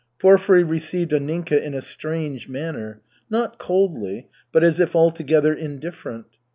Porfiry received Anninka in a strange manner, not coldly, but as if altogether indifferent.